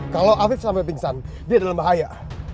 kalau afif sampai pingsan dia adalah bahaya